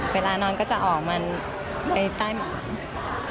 เวลานอนก็จะออกมาไปใต้หมอน